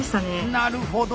なるほど。